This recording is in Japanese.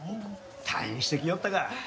退院してきよったか。